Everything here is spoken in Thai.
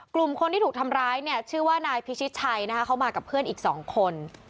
กลุ่มคนที่ถูกทำร้ายเนี่ยชื่อว่านายพิชิตชัยนะคะเขามากับเพื่อนอีกสองคน